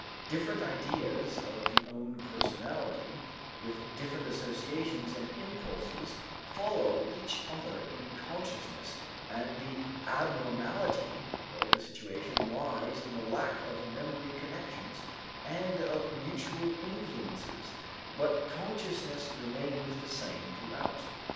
Different ideas of the own personality with different associations and impulses follow each other in consciousness and the abnormality of the situation lies in the lack of memory connections and of mutual influences, but consciousness remains the same throughout.